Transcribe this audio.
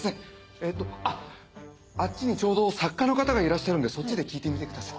えっとあっあっちにちょうど作家の方がいらっしゃるんでそっちで聞いてみてください。